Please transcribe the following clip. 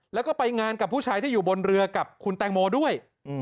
แล้วก็ไปงานกับผู้ชายที่อยู่บนเรือกับคุณแตงโมด้วย